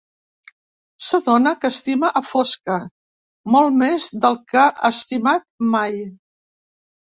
S'adona que estima a Fosca, molt més del que ha estimat mai.